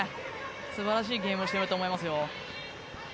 素晴らしいゲームをしていると思います。